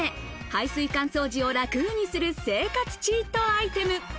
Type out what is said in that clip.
排水管掃除をラクにする生活チートアイテム。